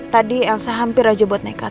tadi saya hampir aja buat nekat